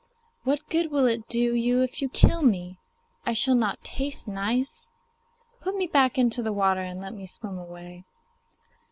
What good will it do you if you kill me I shall not taste nice? Put me back into the water and let me swim away.